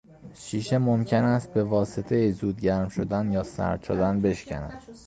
شیشه ممکن است به واسطهی زود گرم شدن یا سرد شدن بشکند.